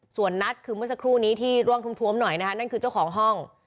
ส่วนนัทคือเมื่อสักครู่นี้ที่ร่วงหน่อยนะคะนั่นคือเจ้าของห้อง